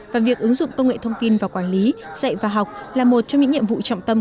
và việc ứng dụng công nghệ thông tin vào quản lý dạy và học là một trong những nhiệm vụ trọng tâm